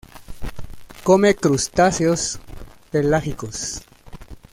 Come crustáceos pelágicos.